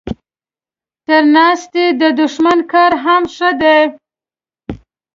تر ناستي د دښمن کار هم ښه دی.